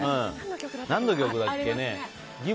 何の曲だっけ。